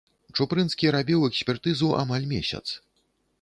Чупрынскі рабіў экспертызу амаль месяц.